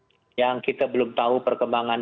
dan juga dalam kondisi yang kita belum tahu perkembangan